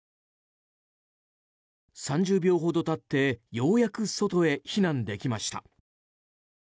３０秒ほど経ってようやく外へ避難できました。